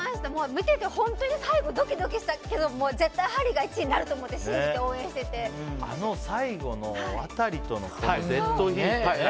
見てて、本当に最後ドキドキしたけど絶対ハリーが１位になると思ってあの最後のワタリとのデッドヒートね。